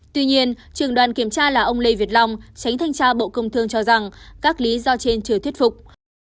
tuy nhiên trường đoàn kiểm tra là ông lê việt long tránh thanh tra bộ công thương cho rằng các lý do trên chưa thuyết phục